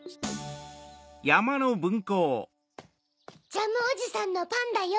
ジャムおじさんのパンだよ。